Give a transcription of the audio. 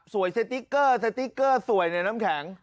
สติ๊กเกอร์สติ๊กเกอร์สวยในน้ำแข็ง